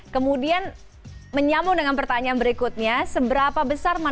kemudian menyamu dengan pertanyaan berikutnya seberapa besar manfaat